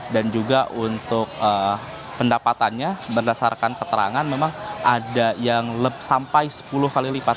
dan juga untuk pendapatannya berdasarkan keterangan memang ada yang sampai sepuluh kali lipat